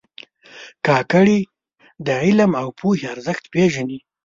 کاکړي د علم او پوهې ارزښت پېژني.